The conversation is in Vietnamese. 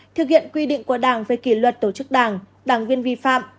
thực hiện quy định của đảng về kỷ luật tổ chức đảng đảng viên vi phạm